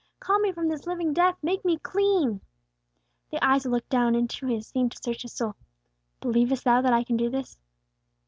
Call me from this living death! Make me clean!" The eyes that looked down into his seemed to search his soul. "Believest thou that I can do this?"